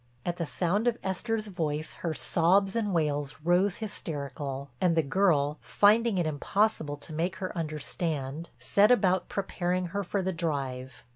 At the sound of Esther's voice her sobs and wails rose hysterical, and the girl, finding it impossible to make her understand, set about preparing her for the drive.